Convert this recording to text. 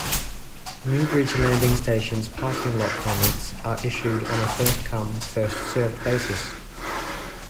New Bridge Landing station's parking lot permits are issued on a first-come, first-served basis.